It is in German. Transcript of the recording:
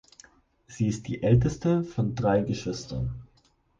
Sie ist die älteste von drei Geschwistern.